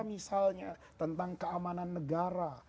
misalnya tentang keamanan negara